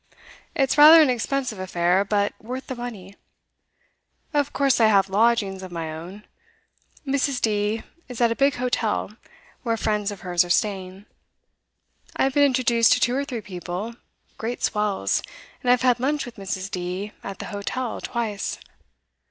It's rather an expensive affair, but worth the money. Of course I have lodgings of my own. Mrs. D. is at a big hotel, where friends of hers are staying. I have been introduced to two or three people, great swells, and I've had lunch with Mrs. D. at the hotel twice.